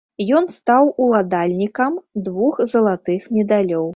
Ён стаў уладальнікам двух залатых медалёў.